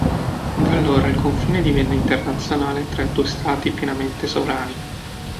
Da allora il confine divenne internazionale tra due stati pienamente sovrani.